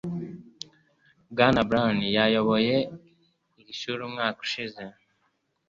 Bwana Brown yayoboye iri shuri umwaka ushize.